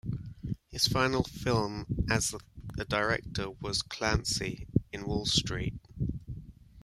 His final film as a director was Clancy in Wall Street.